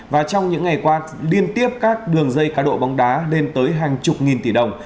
và trong những ngày qua liên tiếp các đường dây cá độ bóng đá lên tới hàng chục nghìn tỷ đồng